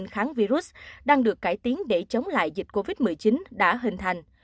vắc xin kháng virus đang được cải tiến để chống lại dịch covid một mươi chín đã hình thành